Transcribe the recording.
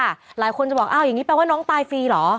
หลายคนจะบอกอ้าวอย่างนี้แปลว่าน้องตายฟรีเหรอ